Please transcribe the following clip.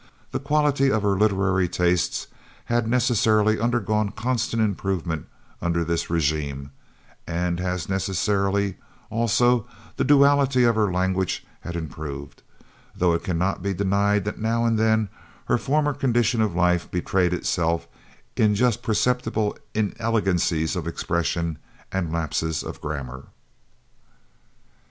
The quality of her literary tastes had necessarily undergone constant improvement under this regimen, and as necessarily, also the duality of her language had improved, though it cannot be denied that now and then her former condition of life betrayed itself in just perceptible inelegancies of expression and lapses of grammar.